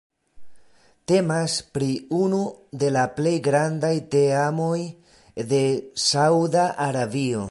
Temas pri unu de la plej grandaj teamoj de Sauda Arabio.